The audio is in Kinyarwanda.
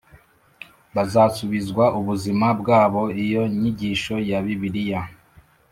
Bazasubizwa ubuzima bwabo iyo nyigisho ya bibiliya